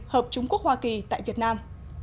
hợp trung quốc hoa kỳ tại việt nam